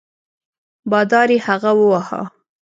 بادار یې هغه وواهه.